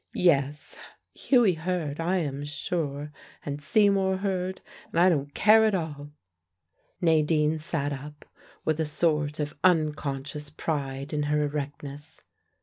Yes: Hughie heard, I am sure, and Seymour heard, and I don't care at all." Nadine sat up, with a sort of unconscious pride in her erectness.